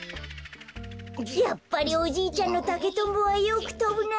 やっぱりおじいちゃんのたけとんぼはよくとぶな。